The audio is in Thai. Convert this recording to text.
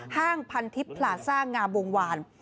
ห้างพันทิพย์พลาซ่างามวงวาน